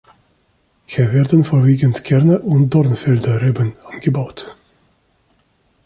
Hier werden vorwiegend Kerner- und Dornfelder -Reben angebaut.